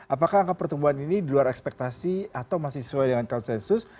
apakah angka pertumbuhan ini di luar ekspektasi atau masih sesuai dengan konsensus